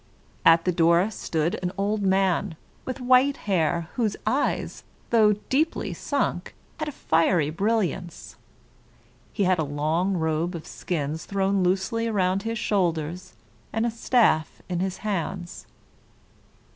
At the door stood an old man, with white hair, whose eyes, though deeply sunk, had a fiery brilliancy. He had a long robe of skins thrown loosely around his shoulders, and a staff in his hands.